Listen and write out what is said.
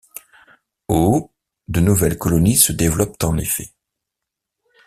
Au de nouvelles colonies se développent en effet.